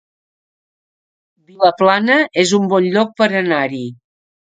Vilaplana es un bon lloc per anar-hi